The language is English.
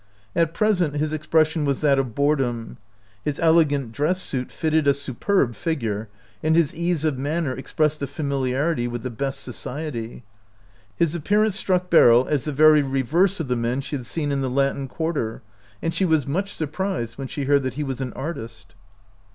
At present his expres sion was that of boredom. His elegant dress suit fitted a superb figure, and his ease of manner expressed a familiarity with the best society. His appearance struck Beryl as the very reverse of the men she had seen in the Latin Quarter, and she was much sur prised when she heard that he was an artist.